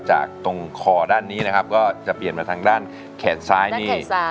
จากตรงคอด้านนี้นะครับก็จะเปลี่ยนมาทางด้านแขนซ้ายนี่